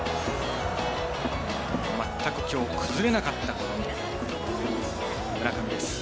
全くきょう崩れなかった村上。